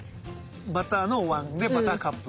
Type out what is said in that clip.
バターのおわんでバターカップ。